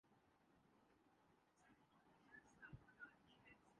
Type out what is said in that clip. روس کے ملک اشعراء رسول ہمزہ توف کی مارکہ آرا نظم